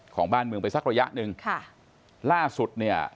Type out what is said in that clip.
ของบ้านเมืองไปสักระยะหนึ่งค่ะล่าสุดเนี่ย